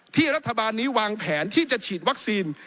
รัฐบาลนี้วางแผนที่จะฉีดวัคซีน